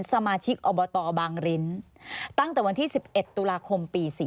สมาชิกอบตบางริ้นตั้งแต่วันที่๑๑ตุลาคมปี๔๔